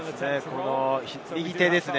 右手ですね。